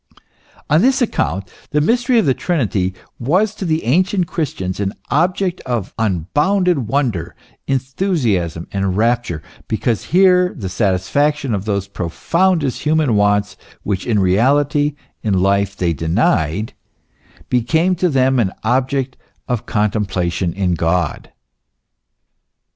On this account the mystery of the Trinity was to the ancient Christians an object of unbounded wonder, enthusiasm and rapture, because here the satisfaction of those profoundest human wants which in reality, in life, they denied, became to them an object of contemplation in God.